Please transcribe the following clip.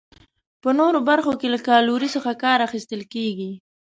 په نورو برخو کې له کالورۍ څخه کار اخیستل کیږي.